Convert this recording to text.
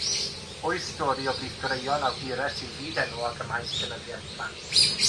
Wyth stori o blith goreuon awdures sy'n fyd-enwog ym maes llenyddiaeth plant.